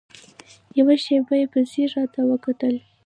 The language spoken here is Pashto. يوه شېبه يې په ځير راته وکتل.